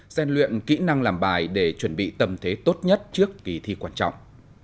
gian luyện kỹ năng làm bài để chuẩn bị tầm thế tốt nhất trước kỳ thi quan trọng